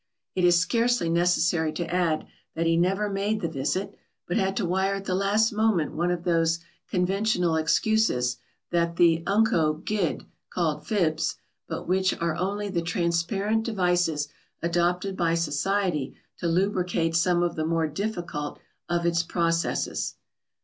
It is scarcely necessary to add that he never made the visit, but had to wire at the last moment one of those conventional excuses that the "unco guid" call fibs, but which are only the transparent devices adopted by society to lubricate some of the more difficult of its processes.